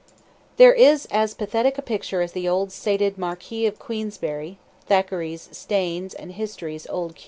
There is as pathetic a picture as the old sated Marquis of Queensberry (Thackeray's Steyne and history's "Old Q.")